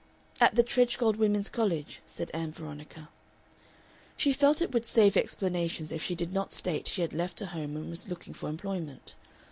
"At the Tredgold Women's College," said Ann Veronica. She felt it would save explanations if she did not state she had left her home and was looking for employment.